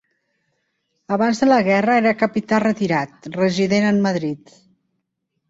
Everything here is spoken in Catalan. Abans de la guerra era capità retirat, resident en Madrid.